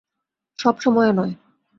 সব সময়ে নয়।